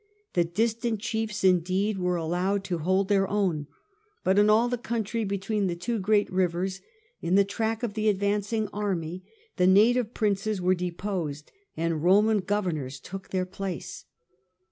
The distant chiefs indeed were allowed to hold their own, but in all the country be neighbour tween the two great rivers in the track of the Fences, advancing army, the native princes were deposed and Roman governors took their place.